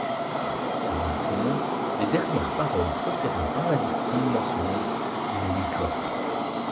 Or, selon les témoins, les dernières paroles proférées par la victime mentionnaient… une licorne.